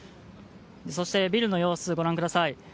そして、ビルの様子ご覧ください。